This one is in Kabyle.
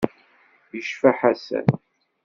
Yecfa Ḥasan.